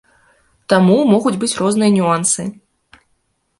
Таму могуць быць розныя нюансы.